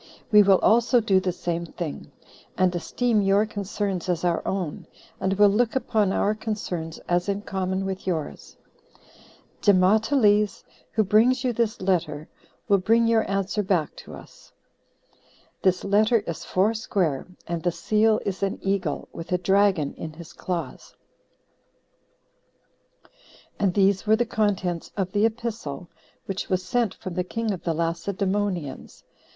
We will also do the same thing, and esteem your concerns as our own, and will look upon our concerns as in common with yours. Demoteles, who brings you this letter, will bring your answer back to us. This letter is four square; and the seal is an eagle, with a dragon in his claws." 11. And these were the contents of the epistle which was sent from the king of the Lacedemonians.